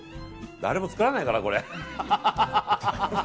誰も作らないかな、これ。